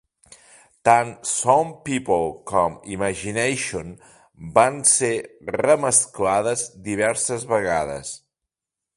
Tant "Some People" com "Imagination" van ser remesclades diverses vegades.